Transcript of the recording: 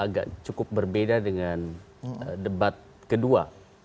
agak cukup berbeda dengan debat kedua